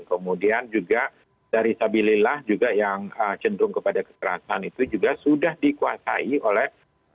kemudian juga dari sabilillah juga yang cenderung kepada kekerasan itu juga sudah dikuasai oleh